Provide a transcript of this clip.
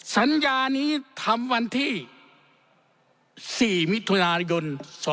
สัญญานี้ทำวันที่๔มิถุนายน๒๕๖